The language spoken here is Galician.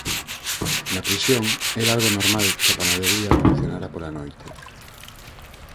Na prisión, era algo normal que a panadería funcionara pola noite.